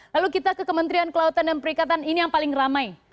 lalu kita ke kementerian kelautan dan perikanan ini yang paling ramai